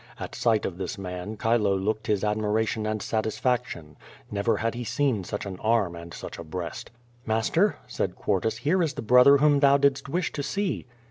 At sight of this man, Chilo looked his admiratioji and satisfaction. Never had he seen such an arm and such a breast. "Master,'^ said Quartus, "here is the brother whom thou didst wish to see.'